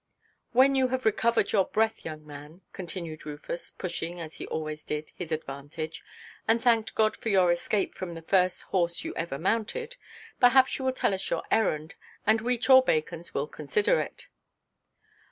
"When you have recovered your breath, young man," continued Rufus, pushing, as he always did, his advantage; "and thanked God for your escape from the first horse you ever mounted, perhaps you will tell us your errand, and we chawbacons will consider it."